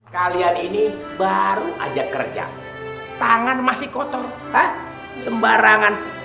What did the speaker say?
kalian ini baru ajak kerja tangan masih kotor sembarangan